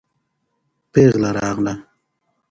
پېغله راغله.